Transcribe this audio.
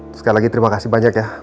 sekali lagi terima kasih banyak ya